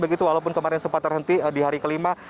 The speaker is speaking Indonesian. begitu walaupun kemarin sempat terhenti di hari kelima